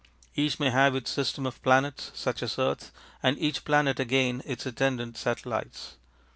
Each may have its system of planets, such as earth, and each planet again its attendant satellites.